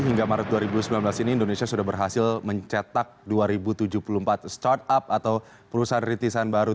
hingga maret dua ribu sembilan belas ini indonesia sudah berhasil mencetak dua ribu tujuh puluh empat startup atau perusahaan rintisan baru